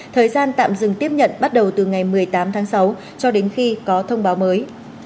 thời gian tạm dừng tiếp nhận bắt đầu từ ngày một mươi tám tháng sáu cho đến khi có thông báo mới